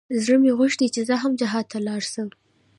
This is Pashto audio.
زړه مې غوښت چې زه هم جهاد ته ولاړ سم.